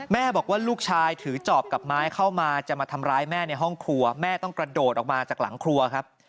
บอกว่าลูกชายถือจอบกับไม้เข้ามาจะมาทำร้ายแม่ในห้องครัวแม่ต้องกระโดดออกมาจากหลังครัวครับ